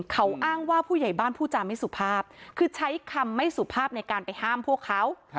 เขาอ้างว่าผู้ใหญ่บ้านพูดจาไม่สุภาพคือใช้คำไม่สุภาพในการไปห้ามพวกเขา